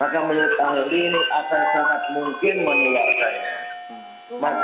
maka menurut alin akan sangat mungkin menyebabkannya